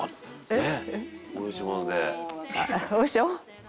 えっ！